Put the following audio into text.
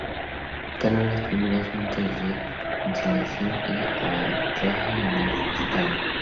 Instaló las primeras "Juntas de Conciliación y Arbitraje" en el estado.